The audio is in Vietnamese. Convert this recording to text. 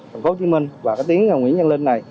thành phố hồ chí minh và cái tiếng nguyễn văn linh này